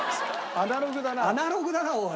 アナログだなおい。